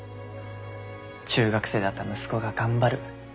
中学生だった息子が頑張る。